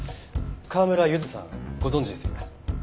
川村ゆずさんご存じですよね？